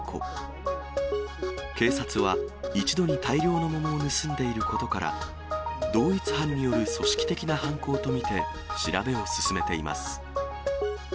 警察は、一度に大量の桃を盗んでいることから、同一犯による組織的な犯行と見て、調べを進めています。